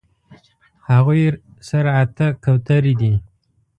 هغوی سره اتۀ کوترې دي